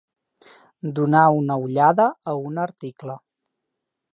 Donar una ullada a un article.